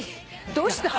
どうした？